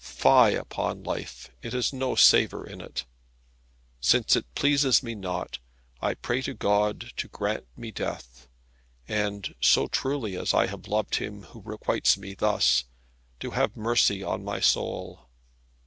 Fie upon life, it has no savour in it. Since it pleases me naught, I pray to God to grant me death, and so truly as I have loved him who requites me thus to have mercy on my soul.